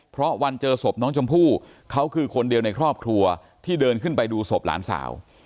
เพราะวันเจอศพน้องชมพู่เขาคือคนเดียวในครอบครัวที่เดินขึ้นไปดูศพหลานสาว